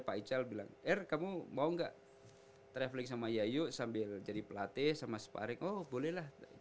pak ical bilang r kamu mau gak traveling sama yayu sambil jadi pelatih sama sparek oh bolehlah